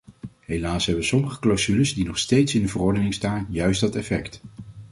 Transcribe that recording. Helaas hebben sommige clausules die nog steeds in de verordening staan juist dat effect.